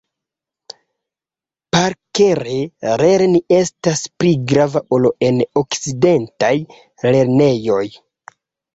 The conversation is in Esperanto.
Parkere lerni estas pli grava ol en okcidentaj lernejoj.